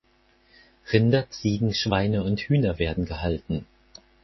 Rinder, Ziegen, Schweine und Hühner werden gehalten.